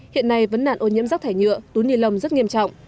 hiện nay vẫn nạn ô nhiễm rác thải nhựa túi nì lông rất nghiêm trọng